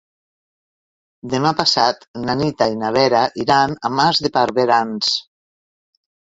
Demà passat na Rita i na Vera iran a Mas de Barberans.